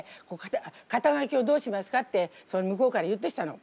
「肩書をどうしますか？」って向こうから言ってきたの。